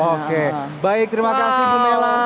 oke baik terima kasih bu mela